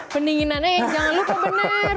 pendinginannya yang jangan lupa benar